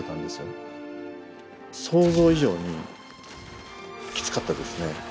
想像以上にきつかったですね。